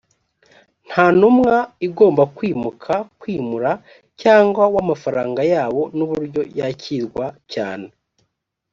nta ntumwa igomba kwimuka kwimura cyangwa w amafaranga yabo n uburyo yakirwa cyane